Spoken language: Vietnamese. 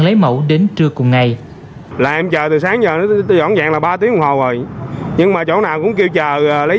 lấy mẫu đến trưa cùng ngày